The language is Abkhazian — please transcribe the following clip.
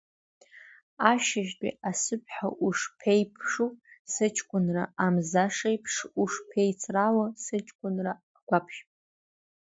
Ашьыжьтәи асыҭәҳәа ушԥеиԥшу, сыҷкәынра, амзашеиԥш ушԥеицрало сыҷкәынра агәаԥшь.